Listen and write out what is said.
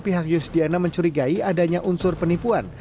pihak yusdiana mencurigai adanya unsur penipuan